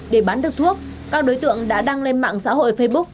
để bán được thuốc các đối tượng đã đăng lên mạng xã hội facebook